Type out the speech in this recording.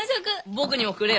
僕にもくれよ。